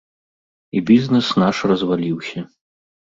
І бізнэс наш разваліўся.